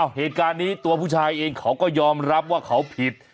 เหตุการณ์นี้ตัวผู้ชายเองเขาก็ยอมรับว่าเขาผิด